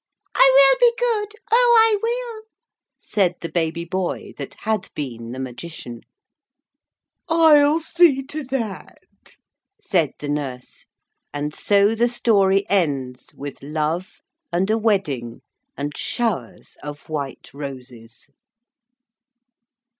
'I will be good; oh, I will,' said the baby boy that had been the Magician. 'I'll see to that,' said the nurse. And so the story ends with love and a wedding, and showers of white roses.